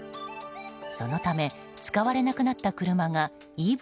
そのため、使われなくなった車がＥＶ